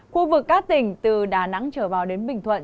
khu vực các tỉnh từ đà nẵng trở vào đến bình thuận